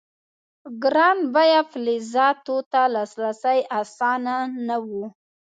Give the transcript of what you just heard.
ګران بیه فلزاتو ته لاسرسی اسانه نه و.